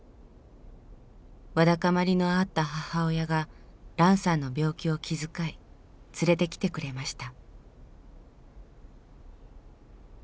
わだかまりのあった母親がランさんの病気を気遣い連れてきてくれました。